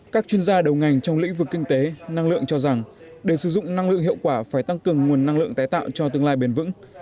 các chuyên gia đầu ngành trong lĩnh vực kinh tế năng lượng cho rằng để sử dụng năng lượng hiệu quả phải tăng cường nguồn năng lượng tái tạo cho tương lai bền vững